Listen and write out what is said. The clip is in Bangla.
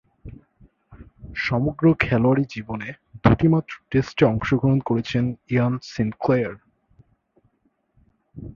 সমগ্র খেলোয়াড়ী জীবনে দুইটিমাত্র টেস্টে অংশগ্রহণ করেছেন ইয়ান সিনক্লেয়ার।